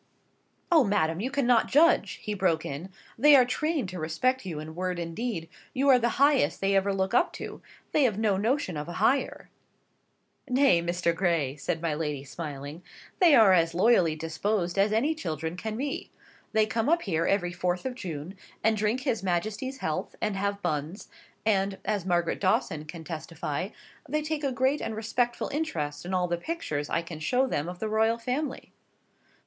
"Oh, madam, you cannot judge," he broke in. "They are trained to respect you in word and deed; you are the highest they ever look up to; they have no notion of a higher." "Nay, Mr. Gray," said my lady, smiling, "they are as loyally disposed as any children can be. They come up here every fourth of June, and drink his Majesty's health, and have buns, and (as Margaret Dawson can testify) they take a great and respectful interest in all the pictures I can show them of the royal family."